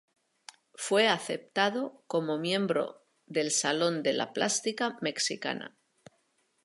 Fue aceptado como miembro del Salón de la Plástica Mexicana.